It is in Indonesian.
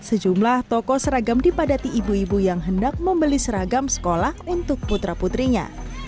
sejumlah toko seragam dipadati ibu ibu yang hendak membeli seragam sekolah untuk putra putrinya